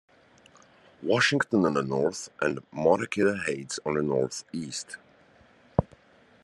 Washington on the north, and Montecito Heights on the northeast.